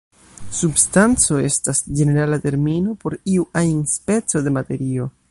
Substanco estas ĝenerala termino por iu ajn speco de materio.